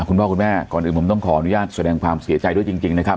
คุณพ่อคุณแม่ก่อนอื่นผมต้องขออนุญาตแสดงความเสียใจด้วยจริงนะครับ